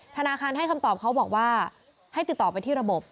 ธนาคารให้คำตอบเขาบอกว่าให้ติดต่อไปที่ระบบ